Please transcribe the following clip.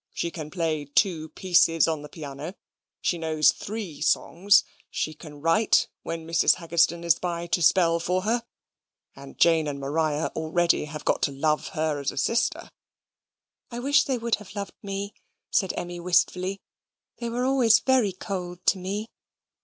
She can play two pieces on the piano; she knows three songs; she can write when Mrs. Haggistoun is by to spell for her; and Jane and Maria already have got to love her as a sister." "I wish they would have loved me," said Emmy, wistfully. "They were always very cold to me."